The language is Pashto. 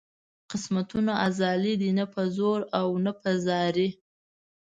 قسمتونه ازلي دي نه په زور او نه په زارۍ.